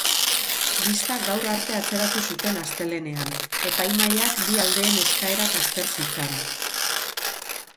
Bista gaur arte atzeratu zuten astelehenean, epaimahaiak bi aldeen eskaerak azter zitzan.